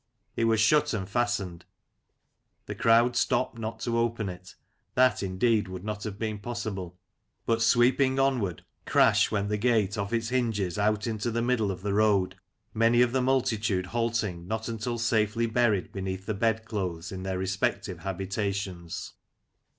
It was shut and fastened ; the crowd stopped not to open it ; that, indeed would not have been possible, but sweeping onward, crash went the gate off its hinges out into the middle of the road, many of the multitude halting not until safely buried beneath the bedclothes in their respective habitations.